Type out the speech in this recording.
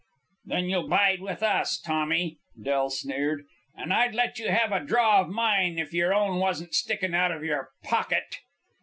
"Then you'll bide with us, Tommy," Del sneered. "And I'd let you have a draw of mine if your own wasn't sticking out of your pocket."